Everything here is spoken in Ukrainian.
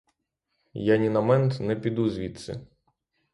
Я ні на мент не піду звідси.